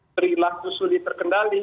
terilaku sulit terkendali